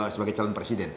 sebagai calon presiden